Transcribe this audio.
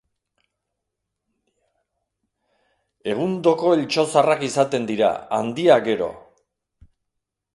Egundoko eltxotzarrak izaten dira, handiak gero!